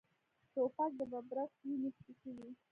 توپک د ببرک وینې څښلي.